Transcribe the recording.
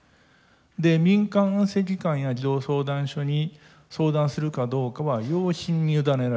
で「民間あっせん機関や児童相談所に相談するかどうかは養親に委ねられている」。